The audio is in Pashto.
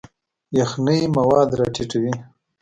یخنۍ مواد راټیټوي.